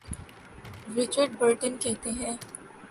Richard Burton کہتے ہیں۔